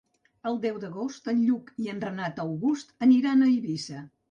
El deu d'agost en Lluc i en Renat August aniran a Eivissa.